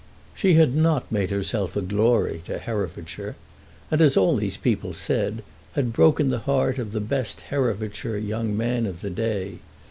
She had not made herself a glory to Herefordshire, and, as all these people said, had broken the heart of the best Herefordshire young man of the day.